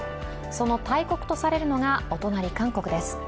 その大国とされるのがお隣、韓国です。